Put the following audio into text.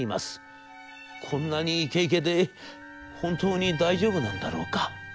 『こんなにイケイケで本当に大丈夫なんだろうか』」。